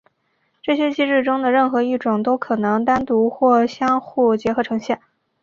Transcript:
这些机制中的任何一种都可能单独或相互结合呈现。